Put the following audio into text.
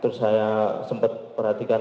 terus saya sempat perhatikan